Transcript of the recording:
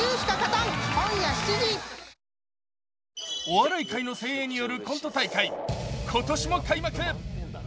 お笑い界の精鋭によるコント大会今年も開幕！